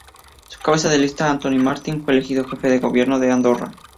Su cabeza de lista, Antoni Martí fue elegido jefe del Gobierno de Andorra.